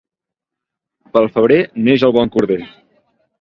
Pel febrer neix el bon corder.